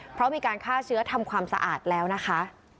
เพราะมีการฆ่าเชื้อทำความสะอาดแล้วนะคะ